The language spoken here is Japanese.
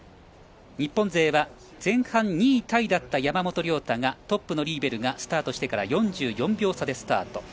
日本勢は前半２位タイだった山本涼太がトップのリーベルがスタートしてから４４秒差でスタート。